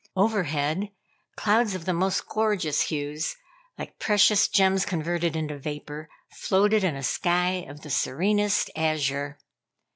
Overhead, clouds of the most gorgeous hues, like precious gems converted into vapor, floated in a sky of the serenest azure.